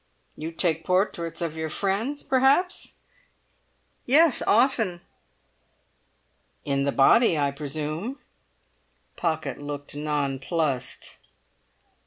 "You take portraits of your friends, perhaps?" "Yes; often." "In the body, I presume?" Pocket looked nonplussed.